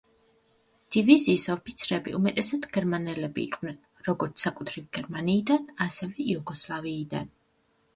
დივიზიის ოფიცრები უმეტესად გერმანელები იყვნენ როგორც საკუთრივ გერმანიიდან, ასევე იუგოსლავიიდან.